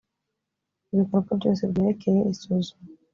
ibikorwa byose byerekeye isuzuma